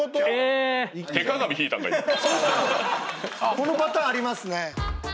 このパターンありますね。